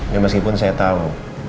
ya meskipun saya tahu